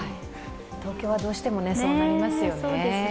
東京はどうしてもそうなりますよね。